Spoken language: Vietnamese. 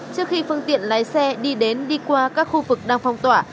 trước khi phương tiện lái xe đi đến đi qua các khu vực đang phong tỏa